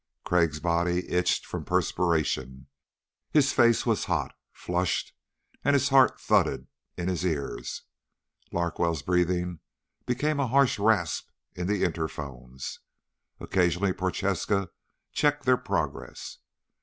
Crag's body itched from perspiration. His face was hot, flushed and his heart thudded in his ears. Larkwell's breathing became a harsh rasp in the interphones. Occasionally Prochaska checked their progress.